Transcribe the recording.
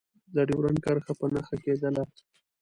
د ډیورنډ کرښه په نښه کېدله.